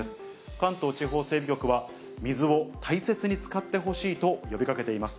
関東地方整備局は、水を大切に使ってほしいと呼びかけています。